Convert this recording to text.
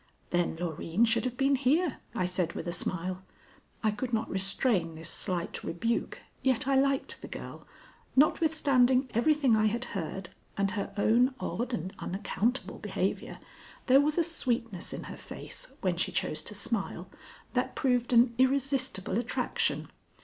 "Then Loreen should have been here," I said, with a smile. I could not restrain this slight rebuke, yet I liked the girl; notwithstanding everything I had heard and her own odd and unaccountable behavior, there was a sweetness in her face, when she chose to smile, that proved an irresistible attraction.